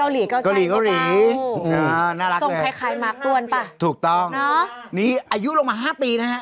น่ารักเลยส่งคล้ายมาต้นป่ะถูกต้องนี่อายุลงมา๕ปีนะฮะ